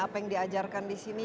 apa yang diajarkan disini